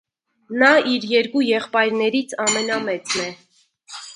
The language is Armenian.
Նա իր երկու եղբայներից ամենամեծն է։